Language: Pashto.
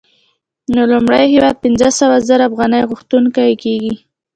نو لومړی هېواد پنځه سوه زره افغانۍ غوښتونکی کېږي